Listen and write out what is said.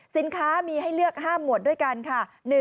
สินค้ามีให้เลือก๕หมวดด้วยกันค่ะ